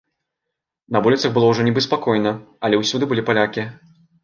На вуліцах было ўжо нібы спакойна, але ўсюды былі палякі.